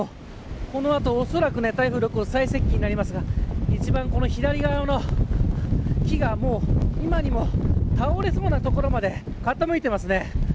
この後、おそらく台風６号最接近になりますが一番左側の木が今にも倒れそうなところまで傾いていますね。